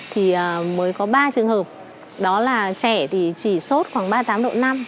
thì mới có ba trường hợp đó là trẻ thì chỉ sốt khoảng ba mươi tám độ năm